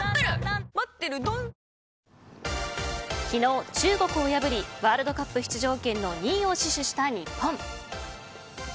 昨日、中国を破りワールドカップ出場権の２位を死守した日本。